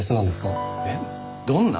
えっどんな？